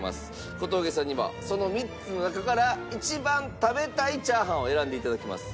小峠さんにはその３つの中から一番食べたいチャーハンを選んでいただきます。